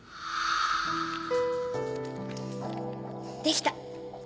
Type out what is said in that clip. できた。